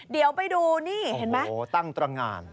เดี๋ยวไปดูนี่เห็นไหมโอ้โหตั้งตรงาน